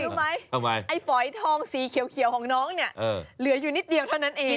รู้ไหมไอ้ฝอยทองสีเขียวของน้องเนี่ยเหลืออยู่นิดเดียวเท่านั้นเอง